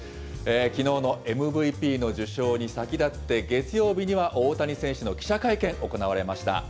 きのうのＭＶＰの受賞に先だって、月曜日には大谷選手の記者会見行われました。